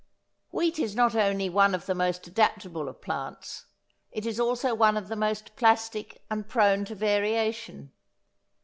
Wheat is not only one of the most adaptable of plants. It is also one of the most plastic and prone to variation.